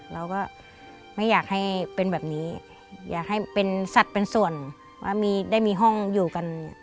เราก็ไม่อยากให้เป็นแบบนี้อยากให้เป็นสัตว์เป็นส่วนว่าได้มีห้องอยู่กัน